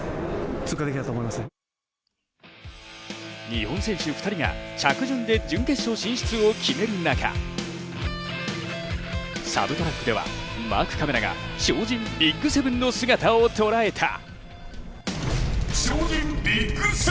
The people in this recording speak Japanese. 日本選手２人が着順で準決勝進出を決める中サブトラックでは、マークカメラが超人ＢＩＧ７の姿をとらえた。